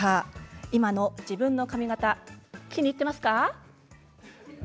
今の自分の髪形気に入っていますか？